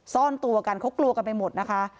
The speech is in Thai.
ซ่อนตัวกันเขากลัวกันไปหมดนะคะ